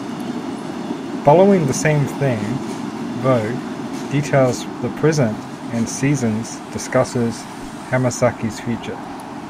Following the same theme, "Vogue" details the present and "Seasons" discusses Hamasaki's future.